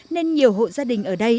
nên nhiều hộ gia đình ở đây